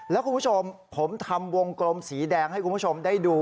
แล้วคุณผู้ชมผมทำวงกลมสีแดงให้คุณผู้ชมได้ดู